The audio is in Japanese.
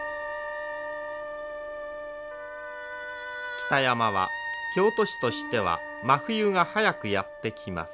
北山は京都市としては真冬が早くやって来ます。